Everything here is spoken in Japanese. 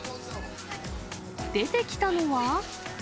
出てきたのは。